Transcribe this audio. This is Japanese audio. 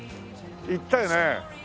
行ったよね。